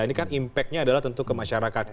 ini kan impact nya adalah tentu ke masyarakat